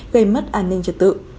gây mất an ninh trật tự